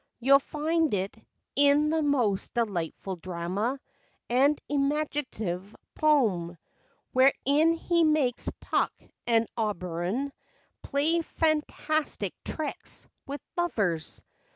You 'll find it In that most delightful drama And imaginative poem, Wherein he makes Puck and Oberon " Play fantastic tricks " with lovers.